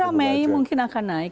saya kira mei mungkin akan naik